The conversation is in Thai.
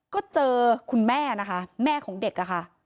ก็เจอคุณแม่แม่ของเด็ก